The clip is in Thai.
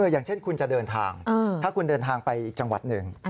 อย่างเช่นคุณจะเดินทางถ้าคุณเดินทางไปอีกจังหวัดหนึ่ง